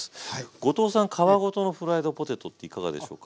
後藤さん皮ごとのフライドポテトっていかがでしょうか。